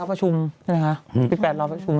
๘๐๐ประชุมใช่ไหมคะ๘๐๐ประชุมใช่ไหมคะ